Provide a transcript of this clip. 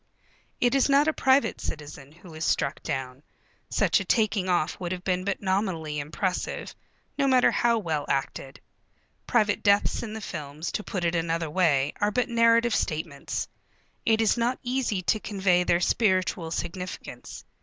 It is not a private citizen who is struck down. Such a taking off would have been but nominally impressive, no matter how well acted. Private deaths in the films, to put it another way, are but narrative statements. It is not easy to convey their spiritual significance.